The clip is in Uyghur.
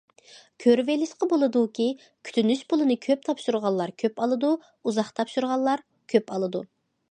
كۆرۈۋېلىشقا بولىدۇكى، كۈتۈنۈش پۇلىنى كۆپ تاپشۇرغانلار كۆپ ئالىدۇ، ئۇزاق تاپشۇرغانلار كۆپ ئالىدۇ!